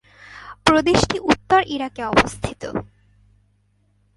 প্রদেশটি উত্তর ইরাকে অবস্থিত।